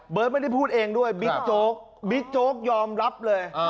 ไม่ได้พูดเองด้วยบิ๊กโจ๊กบิ๊กโจ๊กยอมรับเลย